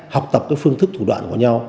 học tập cái phương thức thủ đoạn của nhau